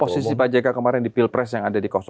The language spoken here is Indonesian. posisi pak jk kemarin di pilpres yang ada di dua